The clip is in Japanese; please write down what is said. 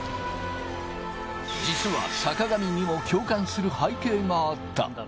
実は、坂上にも共感する背景があった。